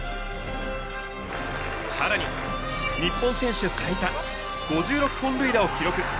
更に日本選手最多５６本塁打を記録